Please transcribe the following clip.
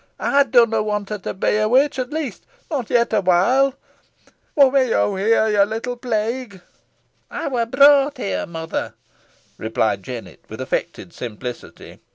Ey dunna want her to be a witch at least not yet awhile. What mays yo here, yo little plague?" "Ey wur brought here, mother," replied Jennet, with affected simplicity.